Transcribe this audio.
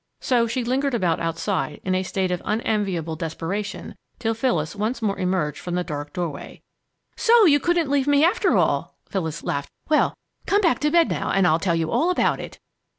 So she lingered about outside in a state of unenviable desperation till Phyllis once more emerged from the dark doorway. "So you couldn't leave me, after all!" Phyllis laughed. "Well, come back to bed now, and I'll tell you all about it."